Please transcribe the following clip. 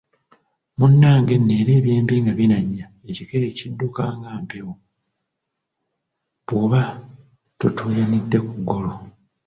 Munnage nno era eby'embi nga binajja ekikere kidduka nga mpewo, bwoba totuuyanidde ku ggolu!